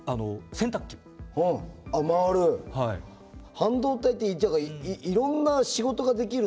半導体っていろんな仕事ができるんすね。